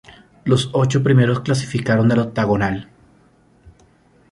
Los ocho primeros clasificaron al Octogonal.